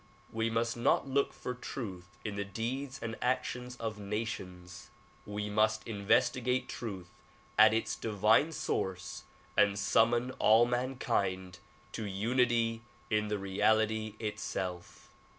We must not look for truth in the deeds and actions of nations ; we must investigate truth at its divine source and summon all mankind to unity in the reality itself.